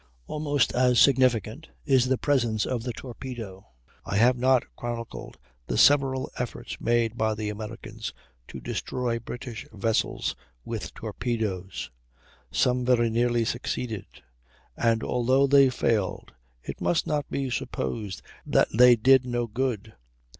Almost as significant is the presence of the Torpedo. I have not chronicled the several efforts made by the Americans to destroy British vessels with torpedoes; some very nearly succeeded, and although they failed it must not be supposed that they did no good.